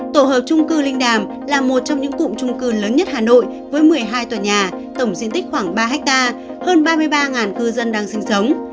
tổ hợp trung cư linh đàm là một trong những cụm trung cư lớn nhất hà nội với một mươi hai tòa nhà tổng diện tích khoảng ba hectare hơn ba mươi ba cư dân đang sinh sống